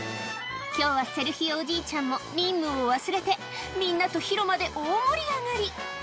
きょうはセルヒオおじいちゃんも任務を忘れてみんなと広間で大盛り上がり。